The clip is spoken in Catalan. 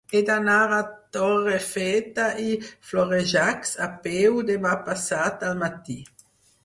He d'anar a Torrefeta i Florejacs a peu demà passat al matí.